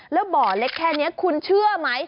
แล้วบ่อเล็กแค่นี้คุณเชื่อไหม